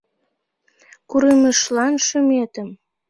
Курымешлан шӱметым